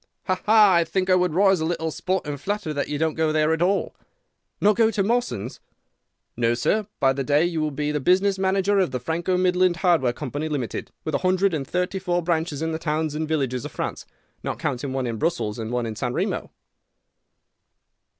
"'Ha, ha! I think I would risk a little sporting flutter that you don't go there at all.' "'Not go to Mawson's?' "'No, sir. By that day you will be the business manager of the Franco Midland Hardware Company, Limited, with a hundred and thirty four branches in the towns and villages of France, not counting one in Brussels and one in San Remo.